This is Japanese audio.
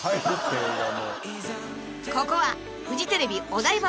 ［ここはフジテレビお台場